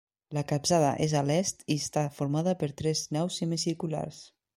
La capçada és a l'est i està formada per tres naus semicirculars.